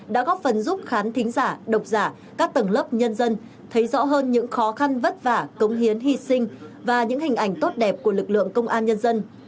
đã góp phần giúp khán thính giả độc giả các tầng lớp nhân dân thấy rõ hơn những khó khăn vất vả cống hiến hy sinh và những hình ảnh tốt đẹp của lực lượng công an nhân dân